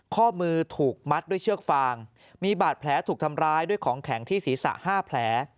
ข้อมือถูกมัดด้วยเชือกฟางมีบาดแผลถูกทำร้ายด้วยของแข็งที่ศีรษะ๕แผล